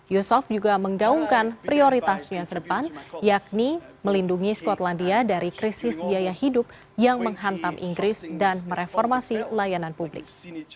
yusof juga menggaungkan prioritasnya ke depan yakni melindungi skotlandia dari krisis biaya hidup yang menghantam inggris dan mereformasi layanan publik